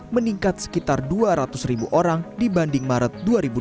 meningkat sekitar dua ratus ribu orang dibanding maret dua ribu dua puluh